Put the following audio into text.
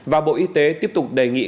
và bộ y tế tiếp tục đề nghị